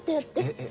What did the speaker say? えっ